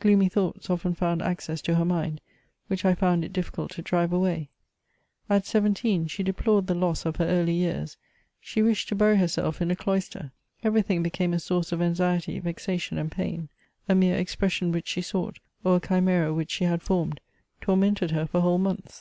Gloomy thoughts often found access to her mind, which I found it difficult to drive away. At seventeen, she deplored the loss of her early years ; she wished to bury herself in a cloister ; everything became a source of anxiety, vexation, and pain; a mere expression which she sought, or a chimera which she had formed, tormented her for whole months.